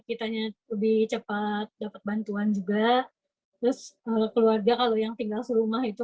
takutnya terlambat ditolong gitu